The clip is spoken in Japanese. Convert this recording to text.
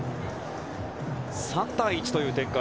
３対１という展開。